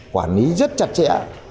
quản lý rất chặt chẽ